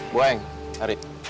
bu aeng ari